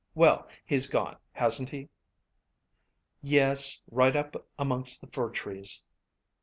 Well! he's gone, hasn't he?" "Yes, right up amongst the fir trees."